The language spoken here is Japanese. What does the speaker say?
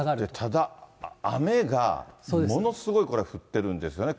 ただ、雨がものすごい降ってるんですよね。